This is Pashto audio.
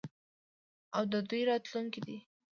او د دوی راتلونکی دی.